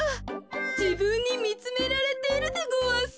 じぶんにみつめられているでごわす。